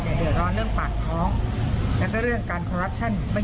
โดยส่วนตัวเนี่ยก็พร้อมอยากจะอยู่ในหลักการเดิม